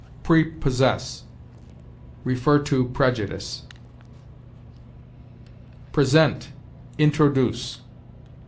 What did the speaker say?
PREPOSSESS. See PREJUDICE. PRESENT INTRODUCE.